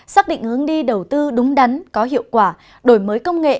xác định hướng đi đầu tư đúng đắn có hiệu quả đổi mới công nghệ